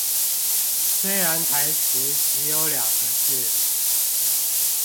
雖然台詞只有兩個字